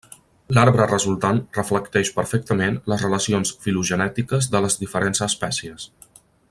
L'arbre resultant reflecteix perfectament les relacions filogenètiques de les diferents espècies.